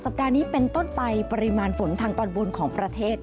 ปัดนี้เป็นต้นไปปริมาณฝนทางตอนบนของประเทศ